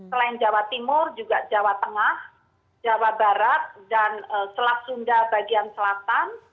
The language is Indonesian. selain jawa timur juga jawa tengah jawa barat dan selat sunda bagian selatan